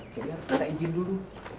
jangan kita izin dulu